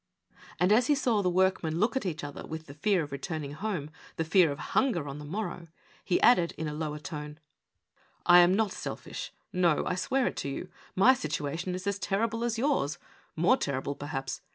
And, as he saw the workmen look at each other, with the fear of returning home, the fear of hunger on the morrow, he added, in a lower tone : (325) 826 OUT OF WORK. "1 am not selfisli — I swear it to you! My situa tion is as terrible as yours — more terrible, perhaps.